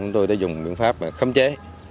tôi đã dùng biện pháp khâm chế